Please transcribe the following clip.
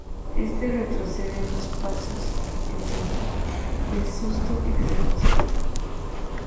Este retrocede unos pasos en señal de susto y desconcierto.